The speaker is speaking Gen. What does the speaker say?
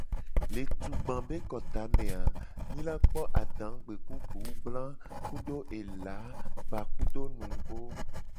Le tugba be kota me a, mi la kpo adagbe ku gbugbla kudo ela gbakudo nugo.